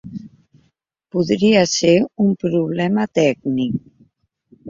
Podria ser un problema tècnic.